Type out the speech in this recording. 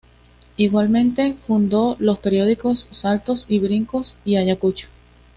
Igualmente fundó los periódicos "Saltos y Brincos" y "Ayacucho".